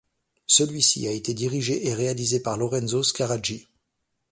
Celui-ci a été dirigé et réalisé par Lorenzo Scaraggi.